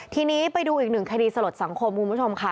ทีนี้ไปดูอีกหนึ่งคดีสลดสังคมคุณผู้ชมค่ะ